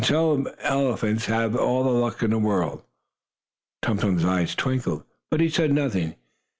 Some elephants have all the luck in this world." Tum Tum's eyes twinkled, but he said nothing.